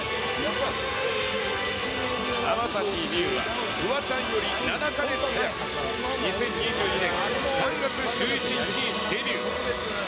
天咲光由は、フワちゃんより７か月早い、２０２２年３月１１日デビュー。